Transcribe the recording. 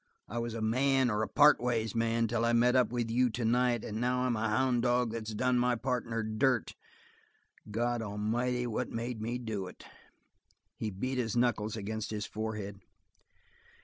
I was a man, or a partways man, till I met up with you tonight, and now I'm a houn' dog that's done my partner dirt! God amighty, what made me do it?" He beat his knuckles against his forehead.